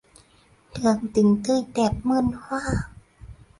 Đường tình tươi đẹp muôn hoa.